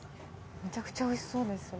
めちゃくちゃ美味しそうですそれ。